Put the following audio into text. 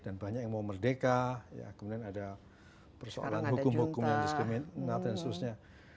dan banyak yang mau merdeka kemudian ada persoalan hukum hukum yang diskriminasi dan sebagainya